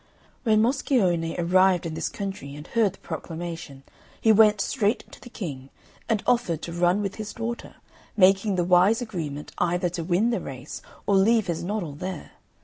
When Moscione arrived in this country and heard the proclamation, he went straight to the King, and offered to run with his daughter, making the wise agreement either to win the race or leave his noddle there.